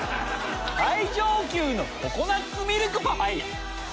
最上級ココナッツミルクパパイヤ！